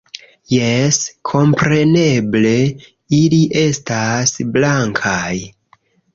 - Jes, kompreneble, ili estas blankaj...